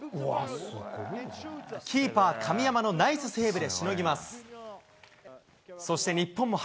キーパー、神山のナイスセーブでしのぎます。